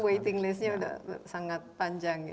waiting list nya sudah sangat panjang